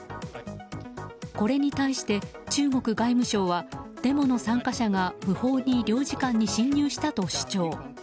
これに対して中国外務省はデモの参加者が不法に領事館に侵入したと主張。